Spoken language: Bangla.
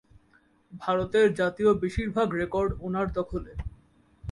ভারতের জাতীয় বেশিরভাগ রেকর্ড ওনার দখলে।